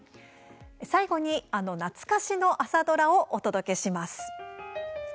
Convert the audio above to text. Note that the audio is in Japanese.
最後に、あの懐かしの朝ドラをお届けします。